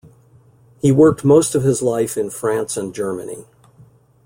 He worked most of his life in France and Germany.